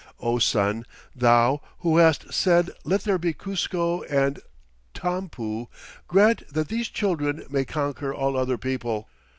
O Sun! Thou who hast said let there be Cuzco and Tampu, grant that these children may conquer all other people.